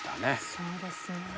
そうですね。